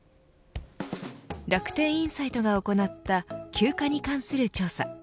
楽天インサイトが行った休暇に関する調査。